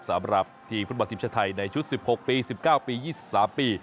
สำหรับทีมฟุตบอลทีมชาติไทยในชุด๑๖ปี๑๙ปี๒๓ปี